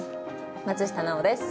松下奈緒です